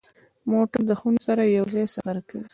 موټر د خونو سره یو ځای سفر کوي.